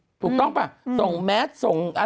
แปลกว่านู่นเก็บของไปตั้งแต่เมื่อคืนแล้ว